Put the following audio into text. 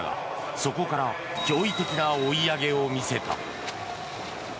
そこから驚異的な追い上げを見せた。